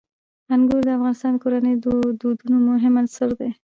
انګور د افغان کورنیو د دودونو مهم عنصر دی.